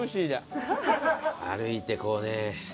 歩いてこうね